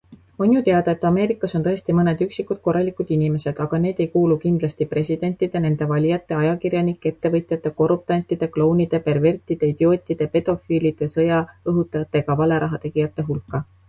On ju teada, et Ameerikas on tõesti mõned üksikud korralikud inimesed, aga need ei kuulu kindlasti presidentide, nende valijate, ajakirjanike, ettevõtjate, korruptantide, klounide, pervertide, idiootide, pedofiilide, sõjaõhutajate ega valerahategijate hulka.